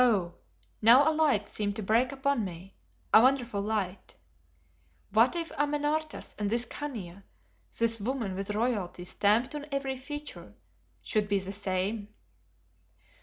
Oh! now a light seemed to break upon me, a wonderful light. What if Amenartas and this Khania, this woman with royalty stamped on every feature, should be the same?